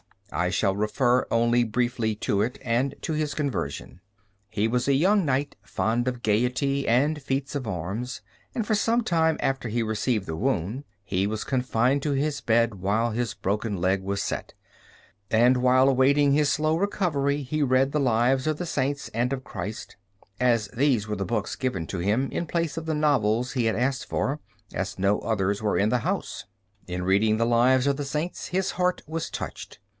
I shall refer only briefly to it, and to his conversion. He was a young knight fond of gayety and feats of arms, and for some time after he received the wound he was confined to his bed while his broken leg was set; and while awaiting his slow recovery he read the lives of the saints and of Christ, as these were the books given to him in place of the novels he had asked for, as no others were in the house. In reading the lives of the saints his heart was touched.